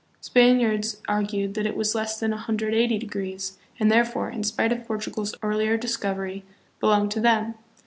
Spaniards argued that it was less than 180 degrees, and, therefore, in spite of Por tugal's earlier discovery, belonged to them.